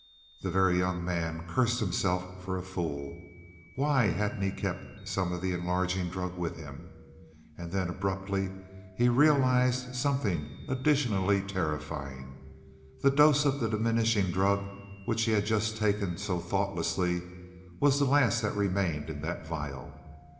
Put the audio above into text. The Very Young Man cursed himself for a fool. Why hadn't he kept some of the enlarging drug with him? And then abruptly, he realized something additionally terrifying. The dose of the diminishing drug which he had just taken so thoughtlessly, was the last that remained in that vial.